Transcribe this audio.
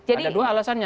ada dua alasannya